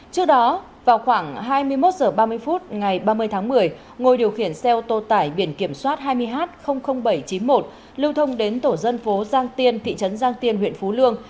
trước đó vào khoảng hai mươi một h ba mươi phút ngày ba mươi tháng một mươi ngôi điều khiển xe ô tô tải biển kiểm soát hai mươi h bảy trăm chín mươi một lưu thông đến tổ dân phố giang tiên thị trấn giang tiên huyện phú lương